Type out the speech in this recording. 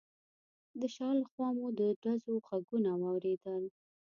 د شا له خوا مو د ډزو غږونه واورېدل.